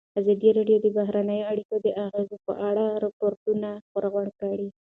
ازادي راډیو د بهرنۍ اړیکې د اغېزو په اړه ریپوټونه راغونډ کړي.